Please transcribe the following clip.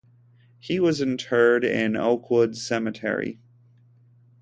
He was interred in Oakwood Cemetery.